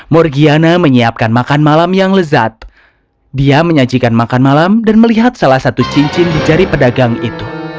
morgiana menyiapkan makan malam yang lezat dia menyajikan makan malam dan melihat salah satu cincin di jari pedagang itu